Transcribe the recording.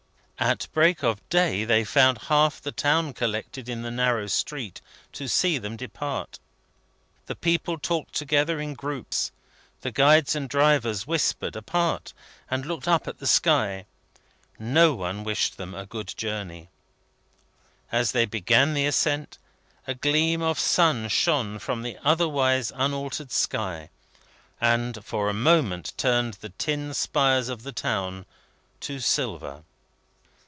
At break of day, they found half the town collected in the narrow street to see them depart. The people talked together in groups; the guides and drivers whispered apart, and looked up at the sky; no one wished them a good journey. As they began the ascent, a gleam of sun shone from the otherwise unaltered sky, and for a moment turned the tin spires of the town to silver.